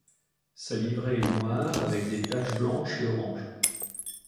Sa livrée est noire avec des taches blanches et orange.